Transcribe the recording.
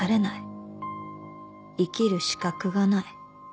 「生きる資格がない。